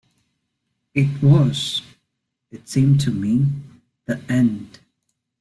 It was, it seemed to me, the end.